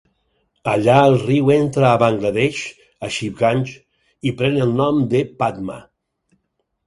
Allà, el riu entra a Bangladesh, a Shibganj, i pren el nom de Padma.